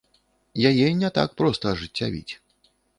Яе не так проста ажыццявіць.